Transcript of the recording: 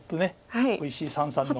おいしい三々の。